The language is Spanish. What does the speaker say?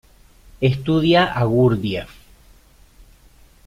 Estudia a Gurdjieff.